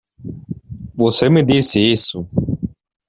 Você me disse isso.